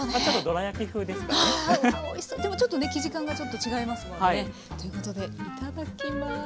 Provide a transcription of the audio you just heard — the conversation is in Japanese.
でもちょっとね生地感がちょっと違いますもんね。ということでいただきます。